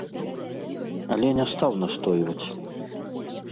Але не стаў настойваць.